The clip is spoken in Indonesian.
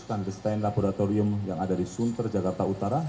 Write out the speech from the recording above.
stand destain laboratorium yang ada di sunter jakarta utara